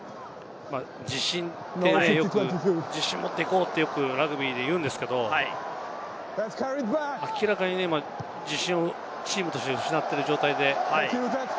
自信ってよく自信を持っていこうってラグビーで言うんですけれども、明らかに自信をチームとして失っている状態で。